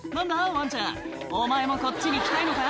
ワンちゃんお前もこっちに来たいのか？」